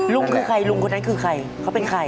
ลุงคือใครลุงคนนั้นคือใครเขาเป็นใคร